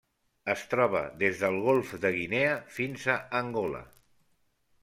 Es troba des del Golf de Guinea fins a Angola.